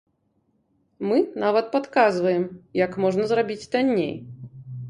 Мы нават падказваем, як можна зрабіць танней.